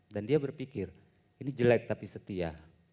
dia berpikir ini jelek tapi setia